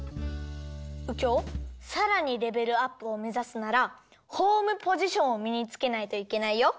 うきょうさらにレベルアップをめざすならホームポジションをみにつけないといけないよ。